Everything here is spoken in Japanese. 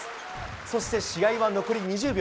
そして試合は残り２０秒。